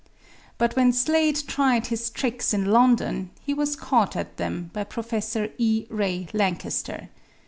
But when Slade tried his tricks in London he was caught at them by Professor E. Ray Lankester.